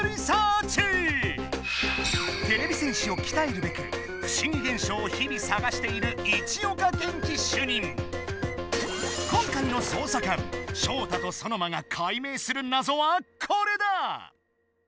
てれび戦士をきたえるべくふ思ぎげんしょうをひびさがしている今回の捜査官ショウタとソノマがかい明するなぞはこれだ！